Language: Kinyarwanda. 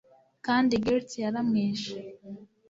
kandi guilts yaramwishe